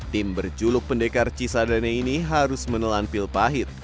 tim berjuluk pendekar cisadane ini harus menelan pil pahit